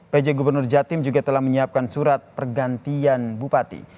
pj gubernur jatim juga telah menyiapkan surat pergantian bupati